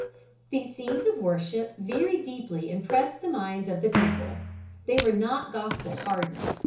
These scenes of worship very deeply impressed the minds of the people. They were not Gospel hardened.